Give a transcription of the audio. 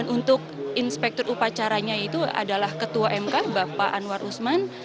untuk inspektur upacaranya itu adalah ketua mk bapak anwar usman